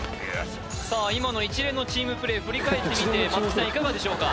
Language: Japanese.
さあ今の一連のチームプレー振り返ってみて松木さんいかがでしょうか？